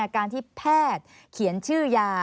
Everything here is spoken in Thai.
การที่แพทย์เขียนชื่อยา